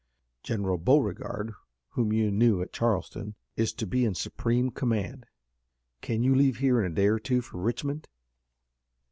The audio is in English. General Beauregard, whom you knew at Charleston, is to be in supreme command. Can you leave here in a day or two for Richmond?"